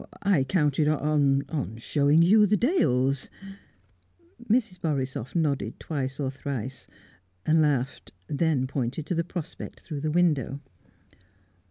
"I counted on on showing you the dales " Mrs. Borisoff nodded twice or thrice, and laughed, then pointed to the prospect through the window.